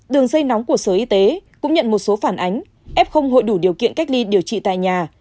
đường dây nóng của sở y tế cũng nhận một số phản ánh f hội đủ điều kiện cách ly điều trị tại nhà